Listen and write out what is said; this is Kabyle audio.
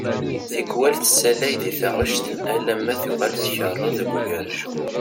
Tikwal tessalay di taɣect alamma tuɣal tkeṛṛeḍ deg ugerjum.